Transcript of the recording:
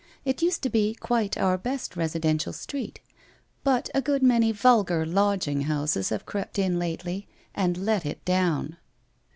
It used to be quite our best residential street; but a good many vulgar lodging houses have crept in lately, and let it down.'